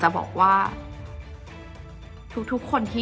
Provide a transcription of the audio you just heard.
จนดิวไม่แน่ใจว่าความรักที่ดิวได้รักมันคืออะไร